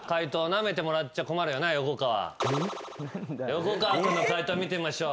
横川君の解答見てみましょう。